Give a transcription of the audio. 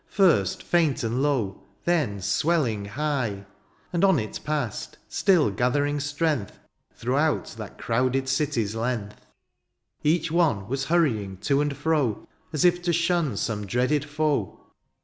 First, faint and low, then swelling high. And on it passed, still gathering strength Throughout that crowded city's length. Each one was hurrying to and fro, As if to shun some dreaded foe.